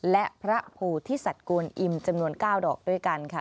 และพระโพธิสัตว์กวนอิมจำนวน๙ดอกด้วยกันค่ะ